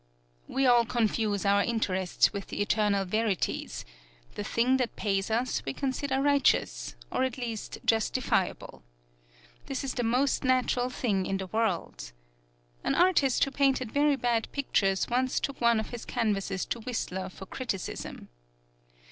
We all confuse our interests with the eternal verities the thing that pays us we consider righteous, or at least justifiable. This is the most natural thing in the world. An artist who painted very bad pictures once took one of his canvases to Whistler for criticism.